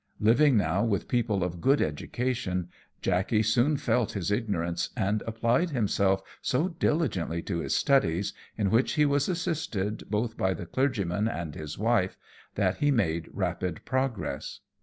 Living now with people of good education, Jackey soon felt his ignorance, and applied himself so diligently to his studies, in which he was assisted both by the clergyman and his wife, that he made rapid progress.